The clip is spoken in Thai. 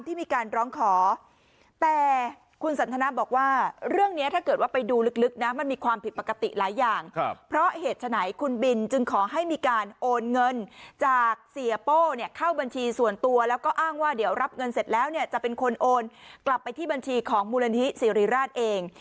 เพราะเหตุไหนคุณบิลจึงขอให้มีการโอนเงินจากเสียโป้เนี่ยเข้าบัญชีส่วนตัวแล้วก็อ้างว่าเดี๋ยวรับเงินเสร็จแล้วเนี่ยจะเป็นคนโอนกลับไปที่บัญชีของมูลนิธิศิริราชเอง